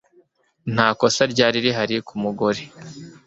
nta kosa ryari rihari ku mugore